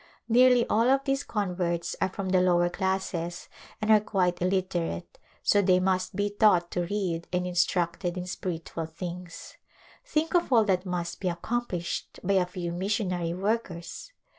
Nearly all of these converts are from the lower classes and are quite illit erate, so they must be taught to read and instructed in spiritual things. Think of all that must be accom plished by a few missionary workers